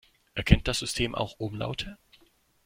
Erkennt das System auch Umlaute?